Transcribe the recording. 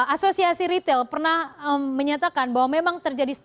asosiasi retail pernah menyatakan bahwa memang terjadi